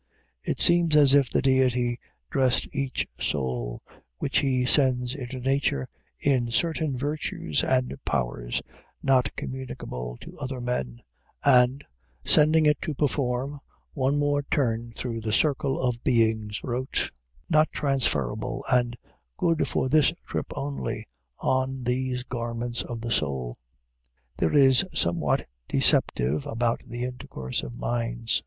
It seems as if the Deity dressed each soul which he sends into nature in certain virtues and powers not communicable to other men, and, sending it to perform one more turn through the circle of beings, wrote, "Not transferable," and "Good for this trip only," on these garments of the soul. There is somewhat deceptive about the intercourse of minds.